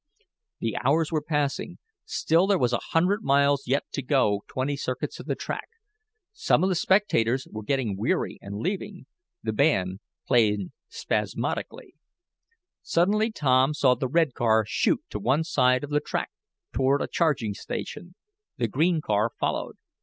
The hours were passing. Still there was a hundred miles yet to go twenty circuits of the track. Some of the spectators were getting weary and leaving. The band played spasmodically. Suddenly Tom saw the red car shoot to one side of the track, toward a charging station; The green car followed.